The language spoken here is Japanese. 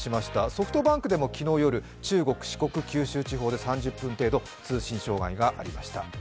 ソフトバンクでも昨日夜、中国、四国地方で３０分程度通信障害がありました。